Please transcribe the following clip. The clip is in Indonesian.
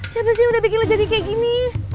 siapa sih yang udah bikin lo jadi kayak gini